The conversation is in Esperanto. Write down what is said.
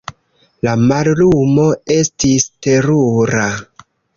La mallumo estis terura.